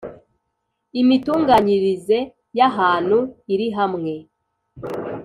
Imitunganyirize y ‘ahantu irihamwe.